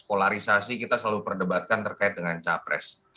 polarisasi kita selalu perdebatkan terkait dengan capres